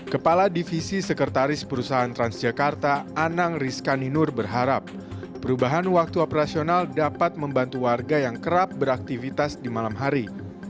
kepala divisi sekretaris perusahaan transjakarta anang rizkaninur berharap perubahan waktu operasional dapat membantu warga yang kerap beraktivitas di malam hari